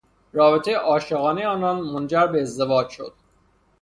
رابطهی عاشقانهی آنان منجر به ازدواج شد.